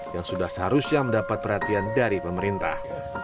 yang sudah seharusnya mendapat perhatian dari pemerintah